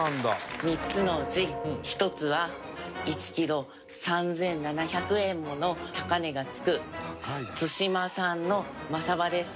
３つのうち１つは１キロ３７００円もの高値が付く対馬産の真サバです。